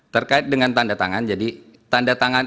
terkait dengan tanda tangan jadi tanda tangan